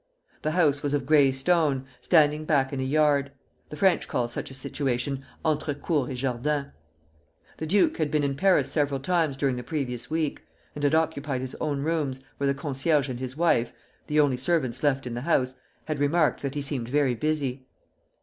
The house was of gray stone, standing back in a yard; the French call such a situation entre cour et jardin. The duke had been in Paris several times during the previous week, and had occupied his own rooms, where the concierge and his wife the only servants left in the house had remarked that he seemed very busy.